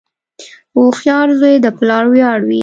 • هوښیار زوی د پلار ویاړ وي.